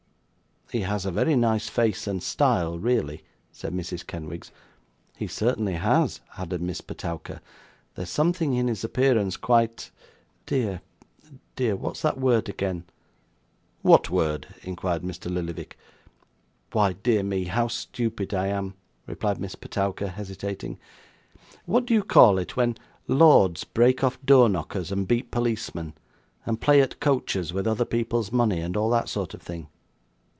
'He has a very nice face and style, really,' said Mrs. Kenwigs. 'He certainly has,' added Miss Petowker. 'There's something in his appearance quite dear, dear, what's that word again?' 'What word?' inquired Mr. Lillyvick. 'Why dear me, how stupid I am,' replied Miss Petowker, hesitating. 'What do you call it, when Lords break off door knockers and beat policemen, and play at coaches with other people's money, and all that sort of thing?